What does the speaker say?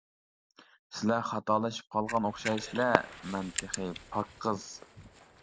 سىلەر خاتالىشىپ قالغان ئوخشايسىلەر، مەن تېخى پاك قىز!